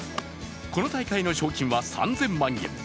この大会の賞金は３０００万円。